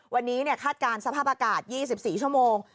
วันนี้คาดการณ์สภาพอากาศ๒๔ชั่วโมง